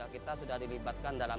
ku akan pulang